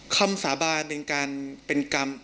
คำสาบานเป็นการเป็นกรรม